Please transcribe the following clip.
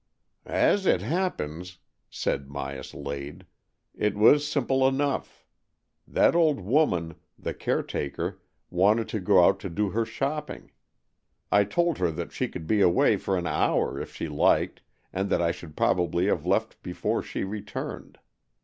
"As it happens," said Myas Lade, "it was simple enough. That old woman, the care taker, wanted to go out to do her shopping. I told her that she could be away for an hour, if she liked, and that I should probably have left before she returned.